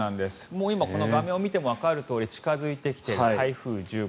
もう今この画面を見てもわかるように近付いてきている台風１０号。